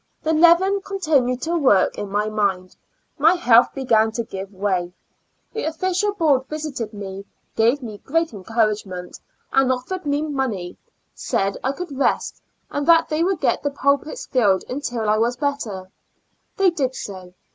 The leaven continued to work in my mind; my health began to give way. The official board visited me, gave me great encouragement, and ofiered me money ; said I could rest, and they would get the pulpits filled until I was better: they did so.